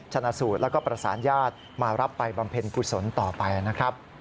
ชนะสูตรแล้วก็ประสานญาติมารับไปบำเพ็ญกุศลต่อไปนะครับ